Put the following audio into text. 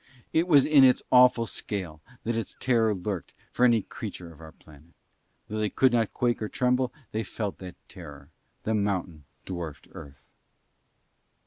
It was in its awful scale that its terror lurked for any creature of our planet. Though they could not quake or tremble they felt that terror. The mountain dwarfed Earth.